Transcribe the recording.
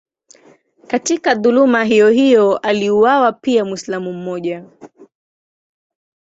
Katika dhuluma hiyohiyo aliuawa pia Mwislamu mmoja.